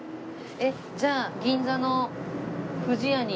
えっじゃあ銀座の不二家に。